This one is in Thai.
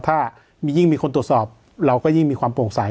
ถ้ายิ่งมีคนตรวจสอบเราก็ยิ่งมีความโปร่งใส